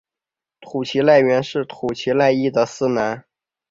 土岐赖元是土岐赖艺的四男。